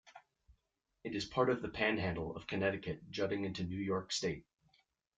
It is part of the "panhandle" of Connecticut jutting into New York state.